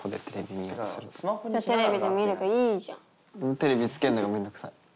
テレビつけるのがめんどくさい。